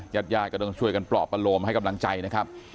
ญาติญาติก็ต้องช่วยกันปลอบประโลมให้กำลังใจนะครับ